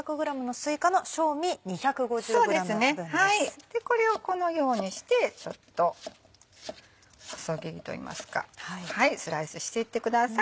でこれをこのようにしてちょっと細切りといいますかスライスしていってください。